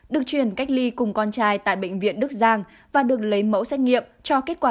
được chuyển cách ly cùng con trai tại bệnh viện đức giang và được lấy mẫu xét nghiệm cho kết quả